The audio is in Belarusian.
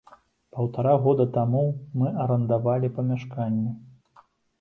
Паўтара года таму мы арандавалі памяшканне.